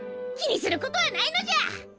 気にすることはないのじゃ！